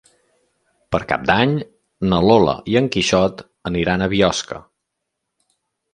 Per Cap d'Any na Lola i en Quixot aniran a Biosca.